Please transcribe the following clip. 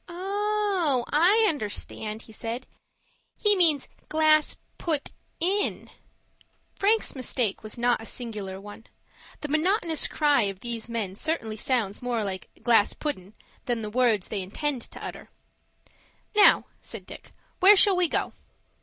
"Oh, I understand," he said. "He means 'glass put in.'" Frank's mistake was not a singular one. The monotonous cry of these men certainly sounds more like "glass puddin'," than the words they intend to utter. "Now," said Dick, "where shall we go?"